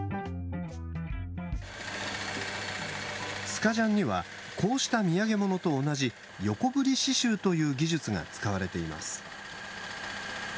スカジャンにはこうした土産物と同じ横振り刺しゅうという技術が使われています。